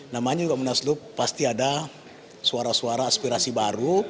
namanya juga munaslup pasti ada suara suara aspirasi baru